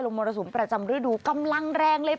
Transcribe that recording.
มรสุมประจำฤดูกำลังแรงเลย